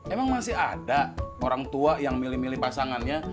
emang masih ada orang tua yang milih milih pasangannya